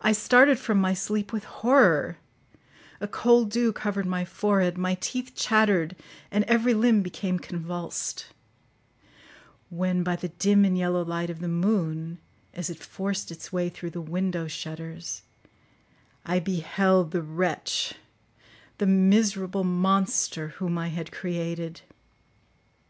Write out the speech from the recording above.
I started from my sleep with horror; a cold dew covered my forehead, my teeth chattered, and every limb became convulsed; when, by the dim and yellow light of the moon, as it forced its way through the window shutters, I beheld the wretch—the miserable monster whom I had created.